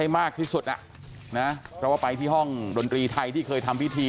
มากที่สุดเราไปที่ห้องดนตรีไทยที่เคยทำพิธี